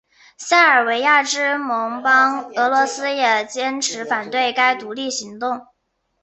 塞尔维亚之盟邦俄罗斯也坚持反对该独立行动。